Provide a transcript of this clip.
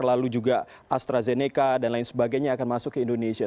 lalu juga astrazeneca dan lain sebagainya akan masuk ke indonesia